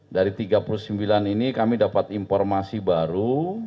dari tiga puluh sembilan ini kami dapat informasi baru